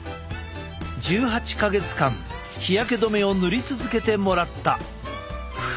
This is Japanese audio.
１８か月間日焼け止めを塗り続けてもらった。